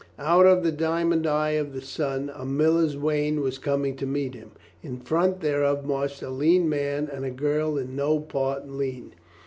Out of the diamond eye of the sun a miller's wain was coming to meet him. In front thereof marched a lean man and a girl in no part lean.